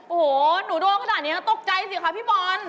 โอ้โฮหนูโดนขนาดนี้ตกใจสิค่ะพี่ปอนด์